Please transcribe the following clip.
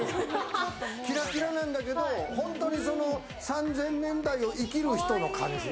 キラキラなんだけど３０００年代を生きる人の感じ。